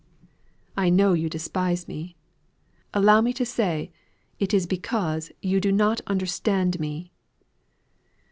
I know you despise me; allow me to say, it is because you do not understand me."